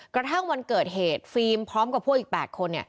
กระทั่งวันเกิดเหตุฟิล์มพร้อมกับพวกอีก๘คน